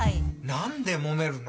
なんでもめるの！？